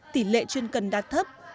tỷ lệ chuyên cần đã thấp